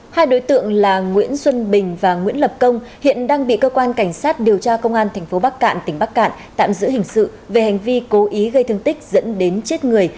hai đối tượng là nguyễn xuân bình và nguyễn lập công hiện đang bị cơ quan cảnh sát điều tra công an tp bắc cạn tỉnh bắc cạn tạm giữ hình sự về hành vi cố ý gây thương tích dẫn đến chết người